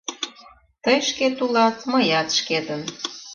— Тый шкет улат, мыят — шкетын.